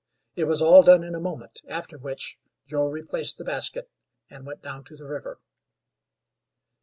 It was all done in a moment, after which Joe replaced the basket, and went down to the river.